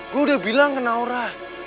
gue udah bilang ke naura